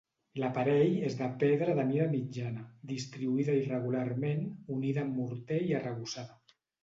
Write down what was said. L'aparell és de pedra de mida mitjana, distribuïda irregularment, unida amb morter i arrebossada.